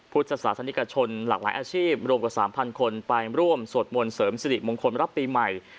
พุทธศาสนิกชนหลากหลายอาชีพรวมกว่า๓๐๐คนไปร่วมสวดมนต์เสริมสิริมงคลรับปีใหม่